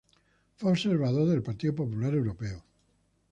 Fue observador del Partido Popular Europeo.